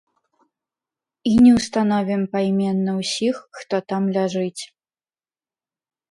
І не ўстановім пайменна ўсіх, хто там ляжыць.